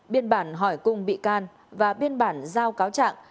biên bản hỏi cung bị can và biên bản giao cáo chạm